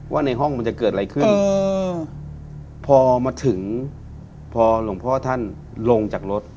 ว่าในห้องมันจะเกิดอะไรขึ้นพอมาถึงพอหลวงพ่อท่านลงจากรถ